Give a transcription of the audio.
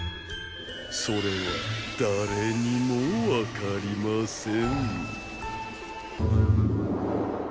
それは誰にもわかりません